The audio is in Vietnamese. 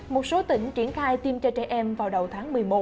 một số tỉnh triển khai tiêm cho trẻ em vào đầu tháng một mươi một